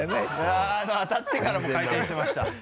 あぁ当たってからも回転してました。